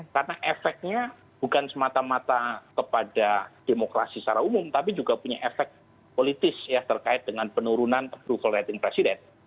karena efeknya bukan semata mata kepada demokrasi secara umum tapi juga punya efek politis yang terkait dengan penurunan approval rating presiden